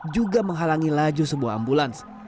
juga menghalangi laju sebuah ambulans